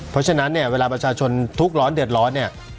เพราะฉะนั้นเนี่ยเวลาประชาชนทุกข์ร้อนเดือดร้อนเนี่ย